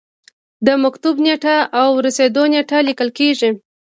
د مکتوب نیټه او رسیدو نیټه لیکل کیږي.